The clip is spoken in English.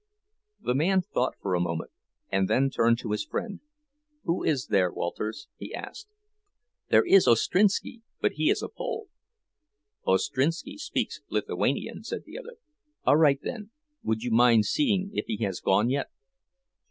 The man thought for a moment, and then turned to his friend. "Who is there, Walters?" he asked. "There is Ostrinski—but he is a Pole—" "Ostrinski speaks Lithuanian," said the other. "All right, then; would you mind seeing if he has gone yet?"